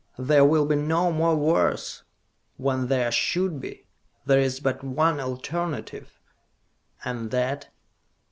There will be no more wars, when there should be! There is but one alternative!" "And that?"